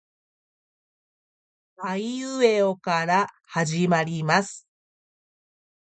あいうえおから始まります